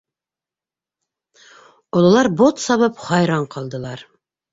Ололар бот сабып хайран ҡалдылар.